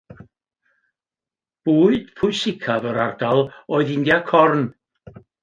Bwyd pwysicaf yr ardal oedd India corn.